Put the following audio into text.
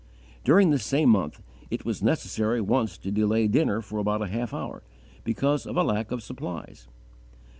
During this same month, it was necessary once to delay dinner for about a half hour, because of a lack of supplies.